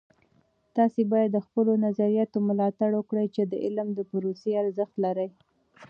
تاسې باید د خپلو نظریاتو ملاتړ وکړئ چې د علم د پروسې ارزښت لري.